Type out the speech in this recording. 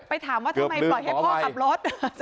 ไปถามกันว่าทำไมให้พอขับรถ